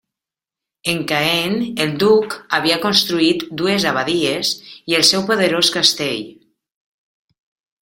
En Caen, el Duc havia construït dues abadies i el seu poderós castell.